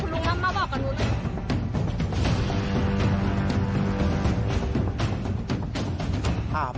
คุณลุงมาบอกกันหนู